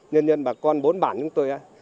nhân dân bà con bốn bản chúng tôi